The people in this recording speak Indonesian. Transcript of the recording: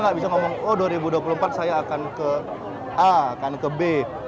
kalau dua ribu dua puluh empat saya akan ke a akan ke b